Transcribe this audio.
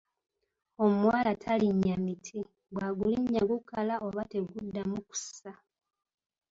Omuwala talinnya miti, bw’agulinnya gukala oba teguddamu kussa.